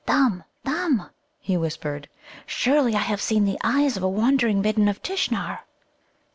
"Thumb, Thumb!" he whispered, "surely I have seen the eyes of a wandering Midden of Tishnar?"